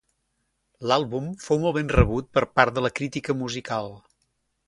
L'àlbum fou molt ben rebut per part de la crítica musical.